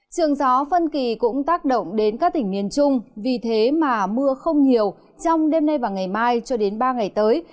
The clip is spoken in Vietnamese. trường gió phân kỳ cũng tác động đến các tỉnh miền trung vì thế mà mưa không nhiều trong đêm nay và ngày mai cho đến ba ngày tới